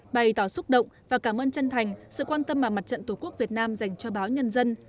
bày tỏ xúc động và cảm ơn chân thành sự quan tâm mà mặt trận tổ quốc việt nam dành cho báo nhân dân